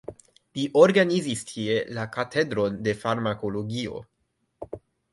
Li organizis tie la katedron de farmakologio.